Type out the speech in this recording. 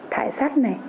thải sát này